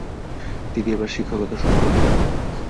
তিনি এবার শিক্ষকতা শুরু করলেন।